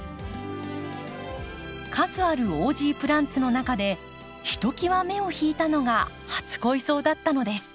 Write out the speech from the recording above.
数あるオージープランツの中でひときわ目を引いたのが初恋草だったのです。